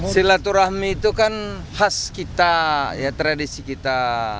silaturahmi itu kan khas kita ya tradisi kita